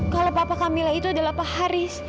kalau papa kamila itu adalah pak haris